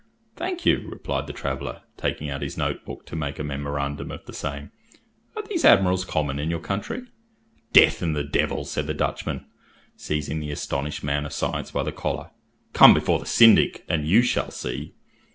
"Thank you," replied the traveller, taking out his note book to make a memorandum of the same; "are these admirals common in your country?" "Death and the devil!" said the Dutchman, seizing the astonished man of science by the collar; "come before the syndic, and you shall see."